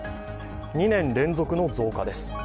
２年連続の増加です。